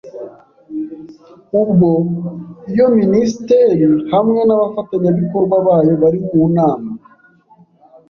ubwo iyo Minisiteri hamwe n’abafatanyabikorwa bayo bari mu nama